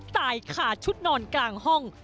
ตายขาดชุดนอนกลางห้อง